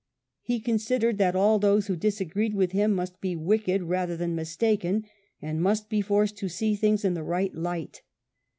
He considered that all those who disagreed with him must be wicked rather than mistaken, ai||^|iust be forced to see fhings in the right light.